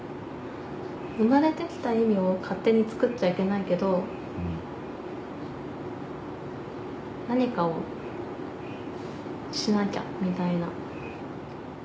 生まれて来た意味を勝手につくっちゃいけないけど何かをしなきゃみたいな。